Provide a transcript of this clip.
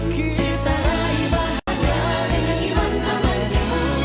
kita raih bahagia dengan iman amanimu